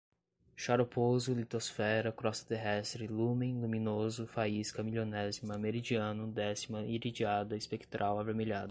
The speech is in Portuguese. xaroposo, litosfera, crosta terrestre, lúmen, luminoso, faísca, milionésima, meridiano, décima, iridiada, espectral, avermelhada